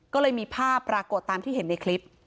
ก็เลยมีภาพปรากฏตามที่เห็นในคลิป